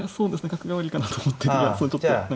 角換わりかなと思ってちょっと何か。